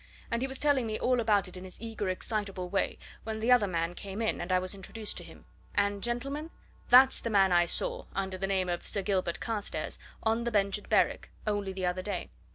And he was telling me all about it in his eager, excitable way when the other man came in, and I was introduced to him. And, gentlemen, that's the man I saw under the name of Sir Gilbert Carstairs on the bench at Berwick only the other day!